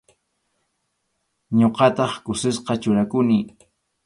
Ñuqataq kusisqa churakuni.